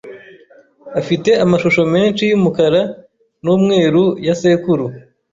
afite amashusho menshi yumukara numweru ya sekuru.